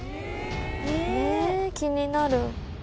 気になる。